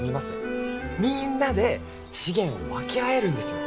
みんなで資源を分け合えるんですよ。